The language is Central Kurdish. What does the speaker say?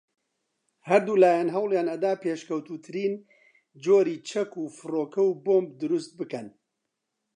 ھەردوولایان ھەوڵیان ئەدا پێشکەوتووترین جۆری چەک و فڕۆکەو بۆمب دروست بکەن